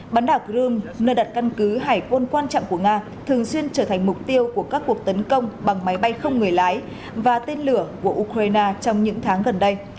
bắn đảo crimea nơi đặt căn cứ hải quan trọng của nga thường xuyên trở thành mục tiêu của các cuộc tấn công bằng máy bay không người lái và tên lửa của ukraine trong những tháng gần đây